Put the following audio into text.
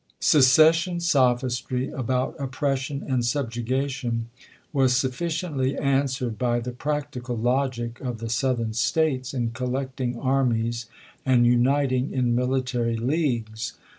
Secession sophistry about oppression and subjuga tion was sufficiently answered by the practical logic of the Southern States in collecting armies a;nd uniting in military leagues.